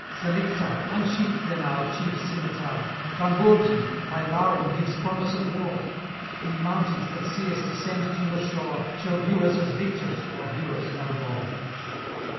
Selictar! unsheath then our chief's scimitar: Tambourgi! thy larum gives promise of war. Ye mountains that see us descend to the shore, Shall view us as victors, or view us no more!